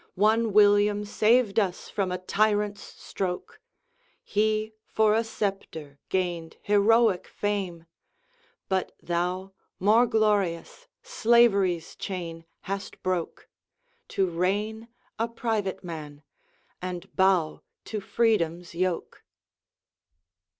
One William saved us from a tyrant's stroke; He, for a sceptre, gained heroic fame; But thou, more glorious, Slavery's chain hast broke, To reign a private man, and bow to Freedom's yoke!